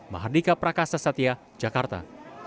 mahardika prakasa satya jakarta